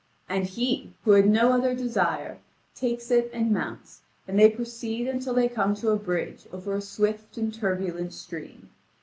And he, who had no other desire, takes it and mounts, and they proceed until they come to a bridge over a swift and turbulent stream.